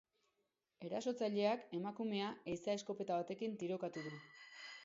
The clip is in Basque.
Erasotzaileak emakumea ehiza eskopeta batekin tirokatu du.